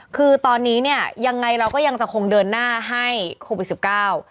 คือตอนนี้เนี่ยยังไงเราก็ยังจะคงเดินหน้าให้โควิดสิบเก้า